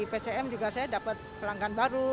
pcm juga saya dapat pelanggan baru